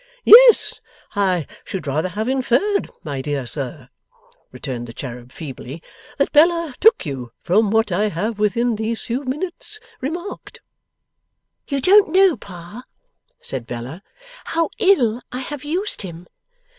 'Yes, I should rather have inferred, my dear sir,' returned the cherub feebly, 'that Bella took you, from what I have within these few minutes remarked.' 'You don't know, Pa,' said Bella, 'how ill I have used him!